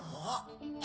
あ！